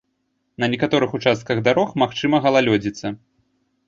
На некаторых участках дарог магчыма галалёдзіца.